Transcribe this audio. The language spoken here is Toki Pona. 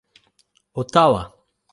o tawa!